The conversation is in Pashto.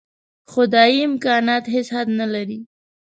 خدايي امکانات هېڅ حد نه لري.